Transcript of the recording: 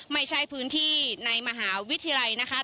ไม่ใช่พื้นที่ในมหาวิทยาลัยธรรมศาสตร์นะคะ